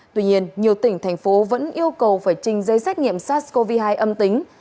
tuy nhiên nhiều tỉnh thành phố vẫn yêu cầu phải trình giấy xét nghiệm sars cov hai âm tính